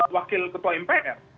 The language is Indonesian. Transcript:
wakil ketua mpr